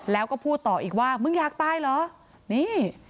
แล้วก็พูดต่ออีกว่ามึงอยากตายเหรอนี่